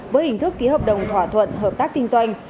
với hình thức ký hợp đồng thỏa thuận hợp tác kinh doanh